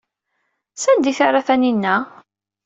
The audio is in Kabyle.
Sanda ay t-terra Taninna?